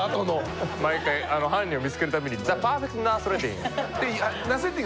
毎回犯人を見つける度に「ザ・パーフェクト・ナスレッディン！！」。